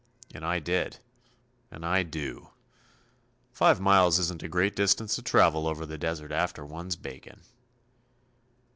And I did. And I do. Five miles isn't a great distance to travel over the desert after one's bacon.